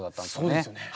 そうですよね。